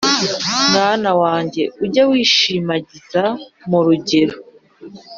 Mwana wanjye, ujye wishimagiza mu rugero,